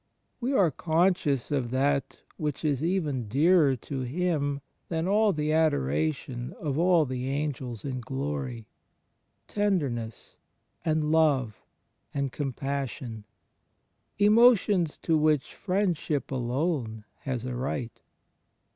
*— we are conscious of that which is even dearer to Him than all the adoration of all the angels in glory — tenderness and love and compassion — emotions to which friend ship alone has a right.